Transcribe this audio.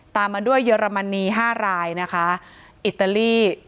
ตามมาด้วยเยอรมนี๕รายนะคะอิตาลี